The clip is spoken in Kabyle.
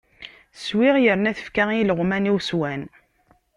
Swiɣ, yerna tefka i ileɣwman-iw, swan.